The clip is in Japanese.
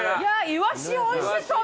イワシおいしそう。